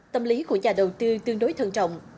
tâm lý của nhà đầu tư tương đối thân trọng